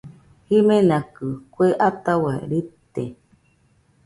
Jimenakɨ kue ataua rite